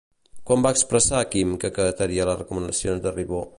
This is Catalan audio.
Quan va expressar Quim que acataria les recomanacions de Ribó?